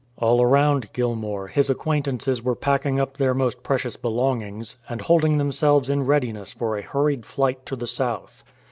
All around Gilmour his acquaintances were packing up their most precious belongings, and holding themselves in readiness for a hurried flight to the south.